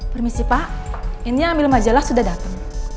permisi pak ini ambil majalah sudah datang